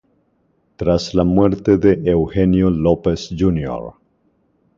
Tras la muerte de Eugenio López Jr.